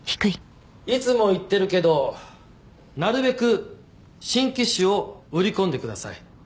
いつも言ってるけどなるべく新機種を売り込んでください